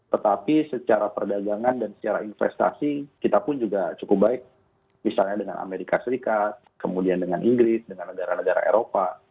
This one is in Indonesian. tetapi secara perdagangan dan secara investasi kita pun juga cukup baik misalnya dengan amerika serikat kemudian dengan inggris dengan negara negara eropa